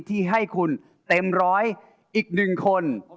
ที่ให้คุณเต็มร้อยอีก๑คน